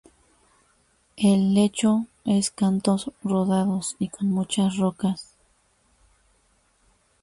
El lecho es cantos rodados y con muchas rocas.